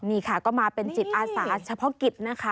นี่ค่ะก็มาเป็นจิตอาสาเฉพาะกิจนะคะ